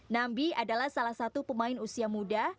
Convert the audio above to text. nambi adalah salah satu pemain usia muda